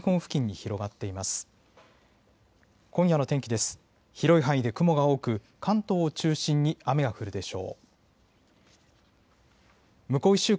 広い範囲で雲が多く関東を中心に雨が降るでしょう。